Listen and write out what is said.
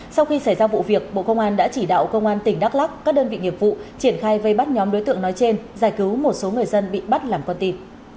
sau khi xảy ra vụ việc bộ công an đã chỉ đạo công an tỉnh đắk lắc các đơn vị nghiệp vụ triển khai vây bắt nhóm đối tượng nói trên giải cứu một số người dân bị bắt làm con tị